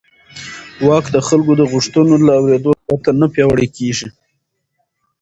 واک د خلکو د غوښتنو له اورېدو پرته نه پیاوړی کېږي.